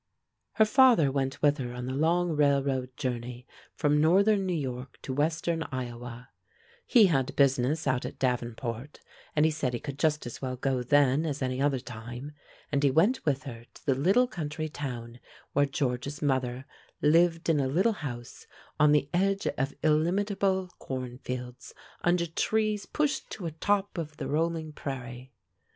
Her father went with her on the long railroad journey from northern New York to western Iowa; he had business out at Davenport, and he said he could just as well go then as any other time; and he went with her to the little country town where George's mother lived in a little house on the edge of illimitable corn fields, under trees pushed to a top of the rolling prairie.